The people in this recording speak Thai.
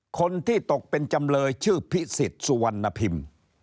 คนที่ตกเป็นจำเลยชื่อพิสิทธิ์สุวรรณพิมพ์